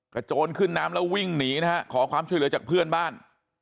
โจรขึ้นน้ำแล้ววิ่งหนีนะฮะขอความช่วยเหลือจากเพื่อนบ้าน